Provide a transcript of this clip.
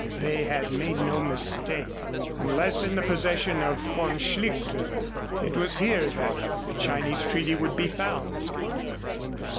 They had made no mistake. Unless in the possession of Von Schlichter it was here that the Chinese treaty would be found.